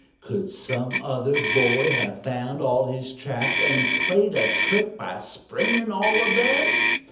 Could some other boy have found all his traps and played a trick by springing all of them?